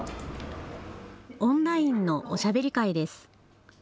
オンラインのおしゃべり会です。